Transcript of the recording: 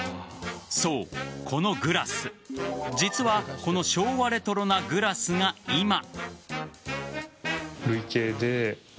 そう、このグラス実はこの昭和レトロなグラスが今。